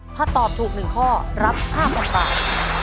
ถ้าตอบถูก๑ข้อรับ๕๐๐๐บาท